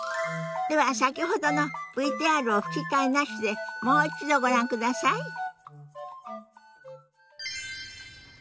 では先ほどのＶＴＲを吹き替えなしでもう一度ご覧ください。